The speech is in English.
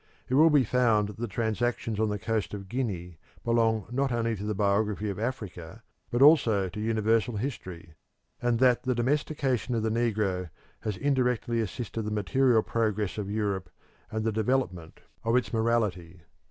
It will be found that the transactions on the coast of Guinea belong not only to the biography of Africa but also to universal history, and that the domestication of the negro has indirectly assisted the material progress of Europe and the development of its morality.